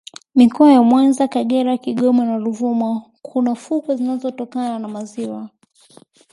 mikoa ya mwanza kagera kigoma na ruvuma Kuna fukwe zinazotokana na maziwa